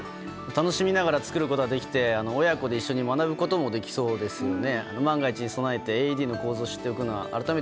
楽しみながら作ることができて親子で一緒に学ぶこともできそうですね。